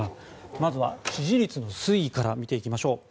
まずは支持率の推移から見ていきましょう。